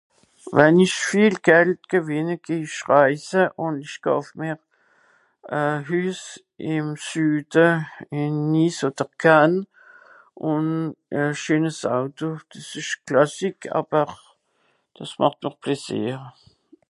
Wenn ich viel Geld gewìnne geh ich reise ùn ich kauf mìr e Hüs ìm Süde ìn Nice odder Canne ùn e scheenes Auto. Dìs ìsch classique àwer, dìs màcht doch Pläsìer.